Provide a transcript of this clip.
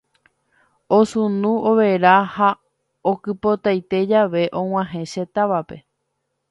Osunu, overa ha okypotaite jave ag̃uahẽ che távape.